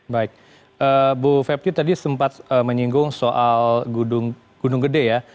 baik bu fepti tadi sempat menyinggung soal gunung gede ya